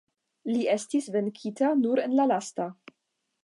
Li estis venkita nur en la lasta.